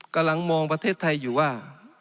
กำลังมองประเทศไทยอยู่ว่า